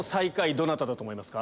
どなただと思いますか？